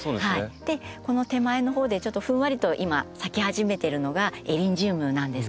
この手前のほうでちょっとふんわりと今咲き始めてるのがエリンジウムなんですけれども。